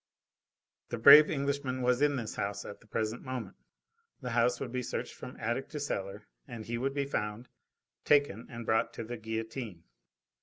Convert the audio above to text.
The brave Englishman was in this house at the present moment: the house would be searched from attic to cellar and he would be found, taken, and brought to the guillotine.